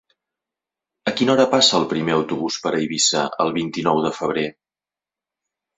A quina hora passa el primer autobús per Eivissa el vint-i-nou de febrer?